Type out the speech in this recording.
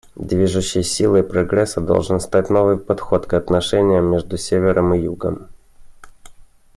Движущей силой прогресса должен стать новый подход к отношениям между Севером и Югом.